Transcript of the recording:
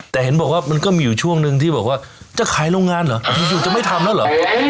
แต่เห็นบอกว่ามันก็มีอยู่ช่วงนึงที่บอกว่าจะขายโรงงานเหรออยู่จะไม่ทำแล้วเหรอ